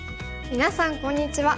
みなさんこんにちは。